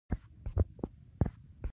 موزیک د باد په څپو کې ویریږي.